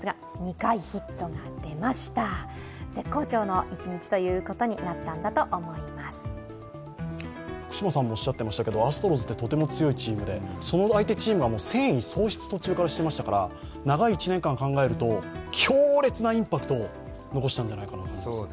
大興奮ということで福島さんもおっしゃっていましたが、アストロズはとても強いチームで、その相手チームは戦意喪失を途中からしてましたから長い１年間を考えると強烈なインパクトを残したんじゃないかと。